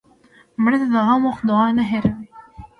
مړه ته د غم وخت دعا نه هېروې